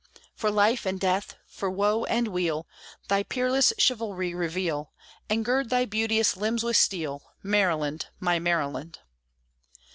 For life and death, for woe and weal, Thy peerless chivalry reveal, And gird thy beauteous limbs with steel, Maryland, my Maryland!